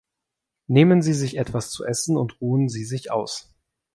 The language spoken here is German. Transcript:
Nehmen Sie sich etwas zu essen und ruhen Sie sich aus.